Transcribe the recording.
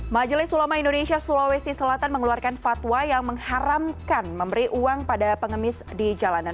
majelis ulama indonesia sulawesi selatan mengeluarkan fatwa yang mengharamkan memberi uang pada pengemis di jalanan